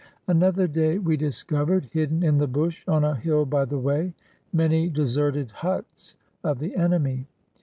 Another day we discovered, hidden in the bush, on a hill by the way, many deserted huts of the enemy.